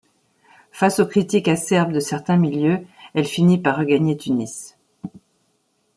Face aux critiques acerbes de certains milieux, elle finit par regagner Tunis.